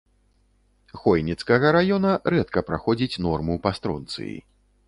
Хойніцкага раёна рэдка праходзіць норму па стронцыі.